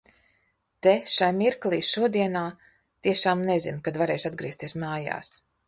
Te, šai mirklī, šodienā, tiešām nezinu, kad varēšu atgriezties mājās.